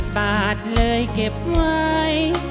บาทเลยเก็บไว้